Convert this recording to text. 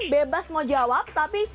bebas mau jawab tapi